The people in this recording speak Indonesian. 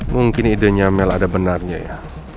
mungkin idenya mel ada benarnya ya